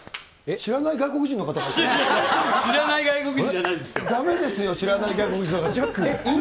知らない外国人じゃないですだめですよ、知らない外国人ジャック？